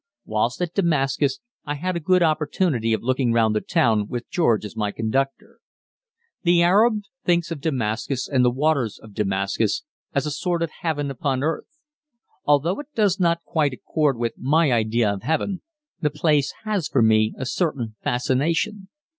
Whilst at Damascus I had a good opportunity of looking round the town, with George as my conductor. The Arab thinks of Damascus and the waters of Damascus as a sort of heaven upon earth. Although it does not quite accord with my idea of heaven, the place has for me a certain fascination.